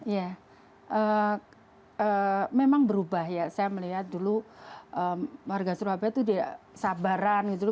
ya memang berubah ya saya melihat dulu warga surabaya itu tidak sabaran gitu loh